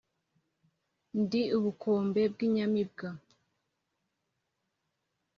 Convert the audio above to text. ndi ubukombe bw’ inyamibwa,